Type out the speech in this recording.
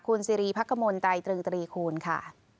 คุณซีรีย์พักกมลใจ๓๓๓คูณค่ะ